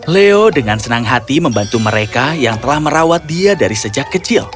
leo dengan senang hati membantu mereka yang telah merawat dia dari sejak kecil